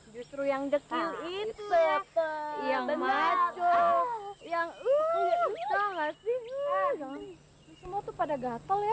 justru yang dekil itu yang benar yang enggak sih semua tuh pada gatel ya